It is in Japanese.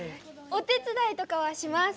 お手伝いとかはします。